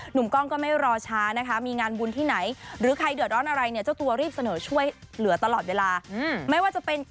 หนุ่มก้องก็ไม่รอช้านะคะมีงานบุญที่ไหน